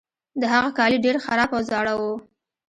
د هغه کالي ډیر خراب او زاړه وو.